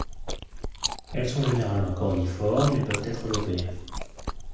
Elles sont généralement cordiformes mais peuvent être lobées.